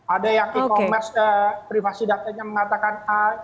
ada yang e commerce privasi datanya mengatakan a